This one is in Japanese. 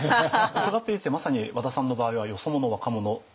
伺っていてまさに和田さんの場合はよそ者若者として料理の世界に。